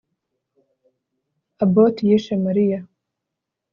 Abbott yishe Mariya